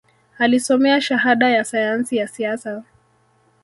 Alisomea Shahada ya Sayansi ya Siasa